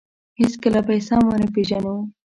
هېڅکله به یې سم ونه پېژنو.